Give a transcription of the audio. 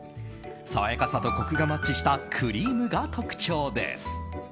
爽やかさとコクがマッチしたクリームが特徴です。